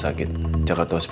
sebelum keluar grupo